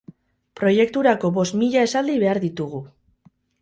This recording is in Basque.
Proiekturako bost mila esaldi behar ditugu.